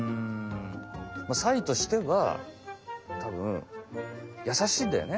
サイとしてはたぶんやさしいんだよね。